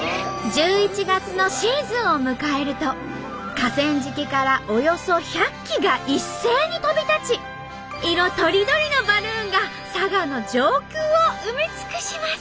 １１月のシーズンを迎えると河川敷からおよそ１００機が一斉に飛び立ち色とりどりのバルーンが佐賀の上空を埋め尽くします。